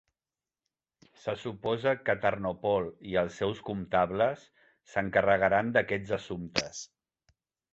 Se suposa que Tarnopol i els seus comptables s"encarregaran d'aquests assumptes.